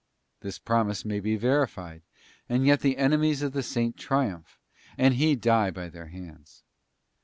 This promise may be verified, and yet the enemies of the Saint triumph, and he die by their hands.